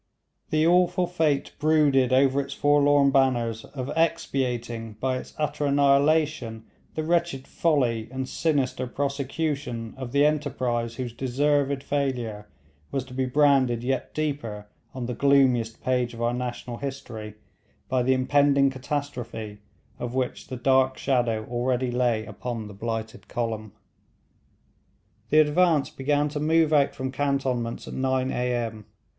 The awful fate brooded over its forlorn banners of expiating by its utter annihilation, the wretched folly and sinister prosecution of the enterprise whose deserved failure was to be branded yet deeper on the gloomiest page of our national history, by the impending catastrophe of which the dark shadow already lay upon the blighted column. The advance began to move out from cantonments at nine A.M.